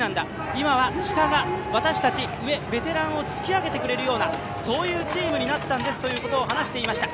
今は下が私たち、上、ベテランを突き上げてくれるようなそういうチームになったんですということを話していました。